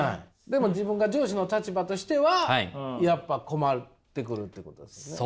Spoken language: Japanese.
でも自分が上司の立場としてはやっぱ困ってくるっていうことですね。